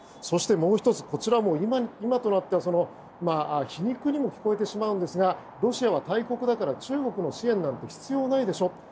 そして、もう１つこちらも今となっては皮肉にも聞こえてしまいますがロシアは大国だから中国の支援なんて必要ないでしょ。